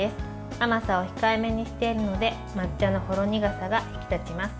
甘さを控えめにしているので抹茶のほろ苦さが引き立ちます。